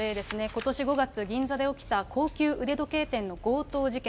ことし５月、銀座で起きた高級腕時計店の強盗事件。